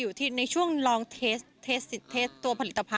อยู่ที่ในช่วงลองเทสต์ตัวผลิตภัณฑ์